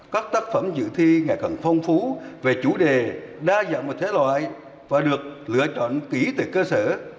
các tác phẩm dự thi ngày càng phong phú về chủ đề đa dạng của thế loại và được lựa chọn kỹ từ cơ sở